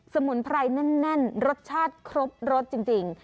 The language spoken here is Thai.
สมุนไพรแน่นรสชาติครบรสจริง